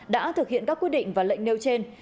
đã thực hiện các quyết định và lệnh nêu trên